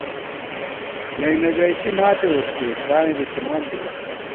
نئ نہ ژَئیݪی ناٹے وُݭٹُوئی څائیں بی ݪِمانتِبا